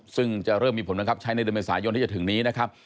ซึ่งจะเริ่มมีผลเป็นครับใช้ในดำเนินสายยนต์ที่จะถึงนี้นะครับ